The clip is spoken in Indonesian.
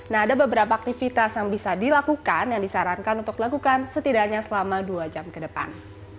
nah ada beberapa aktivitas yang bisa dilakukan yang disarankan untuk dilakukan setidaknya selama dua jam ke depan